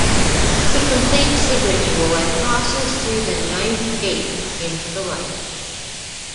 He completes the ritual and crosses through the Ninth Gate into the light.